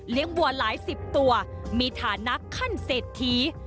เลี้ยงวัวหลายสิบตัวมีฐานักขั้นเศษที